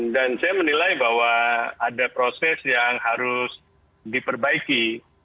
dan saya menilai bahwa ada proses yang harus diperbaiki